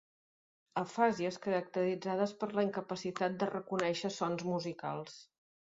Afàsies caracteritzades per la incapacitat de reconèixer sons musicals.